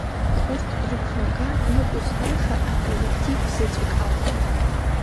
Урҭ рықәнага ныҟәызгаша, аколлектив заҵәык ауп.